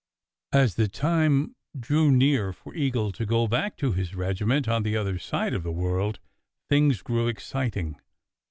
As the time drew near for Eagle to go back to his regi ment on the other side of the world, things grew exciting.